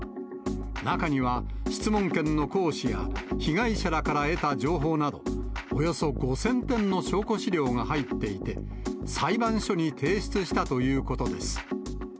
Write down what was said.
中には、質問権の行使や、被害者らから得た情報など、およそ５０００点の証拠資料が入っていて、裁判所に提出したということです。